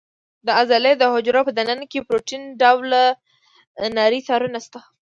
د عضلې د حجرو په دننه کې پروتین ډوله نري تارونه شته.